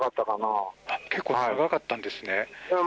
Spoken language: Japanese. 結構、長かったんですね。